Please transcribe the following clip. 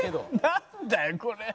なんだよこれ！